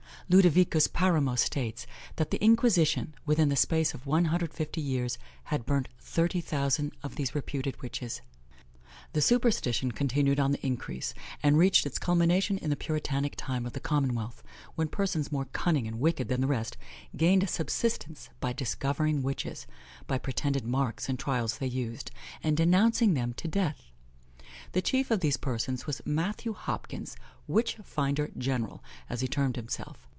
Ludovicus Paramo states, that the Inquisition, within the space of 150 years, had burnt thirty thousand of these reputed witches. The superstition continued on the increase, and reached its culmination in the Puritanic time of the Commonwealth, when persons more cunning and wicked than the rest, gained a subsistence by discovering witches (by pretended marks and trials they used), and denouncing them to death. The chief of these persons was MATHEW HOPKINS, Witch Finder General, as he termed himself.